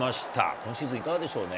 今シーズン、いかがでしょうね。